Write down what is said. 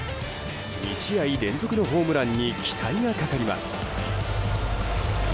２試合連続のホームランに期待がかかります。